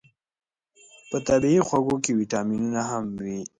په طبیعي خوږو کې ویتامینونه هم وي.